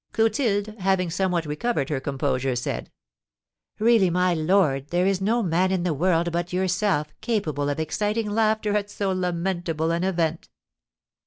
Clotilde, having somewhat recovered her composure, said: "Really, my lord, there is no man in the world but yourself capable of exciting laughter at so lamentable an event."